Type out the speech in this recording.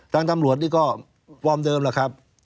ทางตำรวจนี่ก็พร้อมเดิมล่ะครับ